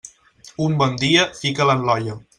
Un bon dia, fica'l en l'olla.